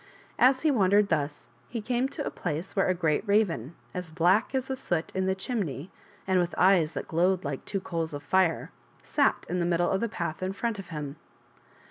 As he wandered thus he came to a place where a great raven, as black as the soot in the chimney, and with eyes that glowed like two coals of fire, sat in the middle of the path in front of him.